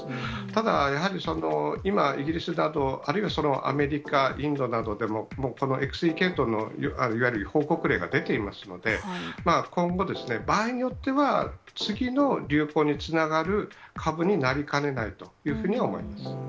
ただ、やはり今、イギリスなど、あるいはアメリカ、インドなどでも、このＸＥ系統のいわゆる報告例が出ていますので、今後、場合によっては、次の流行につながる株になりかねないというふうに思います。